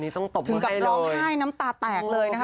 ถึงตบถึงกับร้องไห้น้ำตาแตกเลยนะคะ